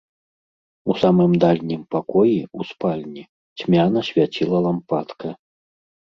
У самым дальнім пакоі, у спальні, цьмяна свяціла лампадка.